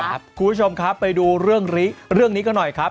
คุณผู้ชมครับไปดูเรื่องนี้กันหน่อยครับ